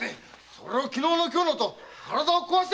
それを昨日の今日のと体を壊しますよ！